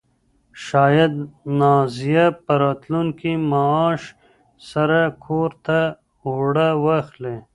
شاید نازیه په راتلونکي معاش سره کور ته اوړه واخلي.